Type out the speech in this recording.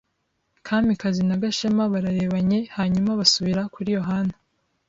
Kamikazi na Gashema bararebanye hanyuma basubira kuri Yohana.